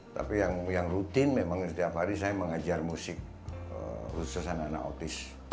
tapi yang rutin memang setiap hari saya mengajar musik khusus anak anak autis